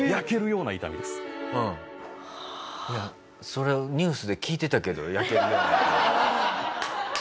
いやそれニュースで聞いてたけど「焼けるような痛み」。